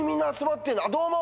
どうも。